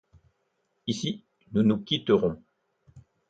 Ici, nous nous quitterons.